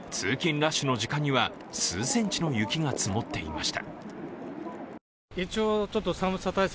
ラッシュの時間には数センチの雪が積もっていました。